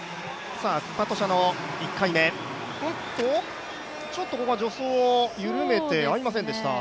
クパトシャの１回目おっと、ここは助走を緩めて合いませんでした。